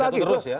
dan jatuh terus ya